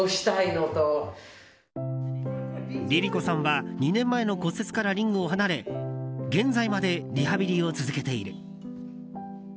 ＬｉＬｉＣｏさんは２年前の骨折からリングを離れ現在までリハビリを続けている。